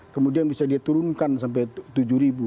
kemudian bisa dia turunkan sampai tujuh ribu